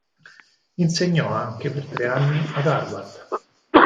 Insegnò anche per tre anni a Harvard.